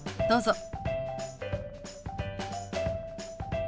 どうぞ。